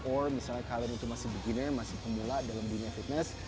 oh misalnya kalian itu masih begini masih pemula dalam dunia fitness